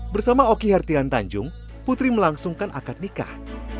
bersama oki hertian tanjung putri melangsungkan akad nikah